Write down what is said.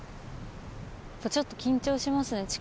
ちょっと緊張しますね